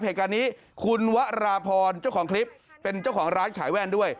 เหตุการณ์นี้คุณวราพรเจ้าของคลิปเป็นเจ้าของร้านขายแว่นด้วย